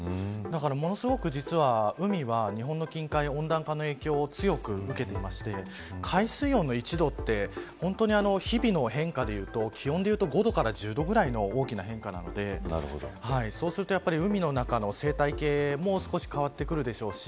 だからものすごく実は日本の近海は温暖化の影響を強く受けていて海水温の１度って本当に気温でいうと気温でいうと、５度から１０度ぐらいの大きな変化なのでそうすると海の中の生態系も少し変わってくるでしょうし